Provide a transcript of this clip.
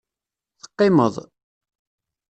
Teqqimeḍ.